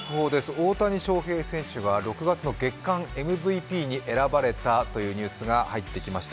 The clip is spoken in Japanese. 大谷翔平選手が６月の月間ＭＶＰに選ばれたというニュースが入ってきました。